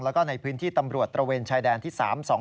แล้วก็ในพื้นที่ตำรวจตระเวนชายแดนที่๓๒